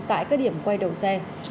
tại các điểm quay đầu xe